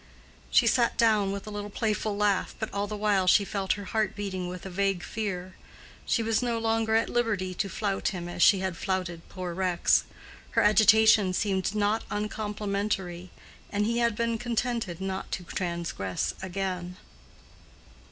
She sat down again with a little playful laugh, but all the while she felt her heart beating with a vague fear: she was no longer at liberty to flout him as she had flouted poor Rex. Her agitation seemed not uncomplimentary, and he had been contented not to transgress again.